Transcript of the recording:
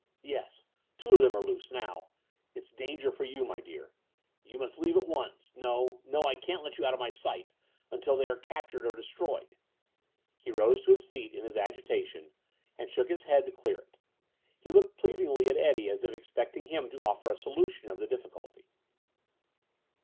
"Yes. Two of them are loose now. It's danger for you, my dear. You must leave at once. No, no I can't let you out of my sight until they are captured or destroyed." He rose to his feet in his agitation and shook his head to clear it. He looked pleadingly at Eddie as if expecting him to offer a solution of the difficulty.